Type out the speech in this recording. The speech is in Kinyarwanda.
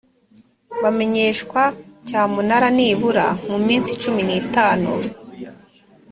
bamenyeshwa cyamunara nibura mu minsi cumi n’itanu